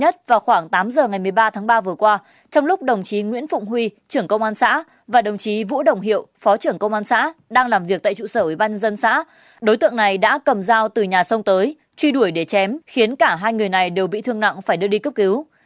trong lúc đồng chí nguyễn phụng huy trưởng công an xã và đồng chí vũ đồng hiệu phó trưởng công an xã đang làm việc tại trụ sở ủy ban dân xã đối tượng này đã cầm dao từ nhà sông tới truy đuổi để chém khiến cả hai người này đều bị thương nặng phải đưa đi cấp cứu